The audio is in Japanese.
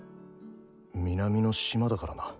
南の島だからな。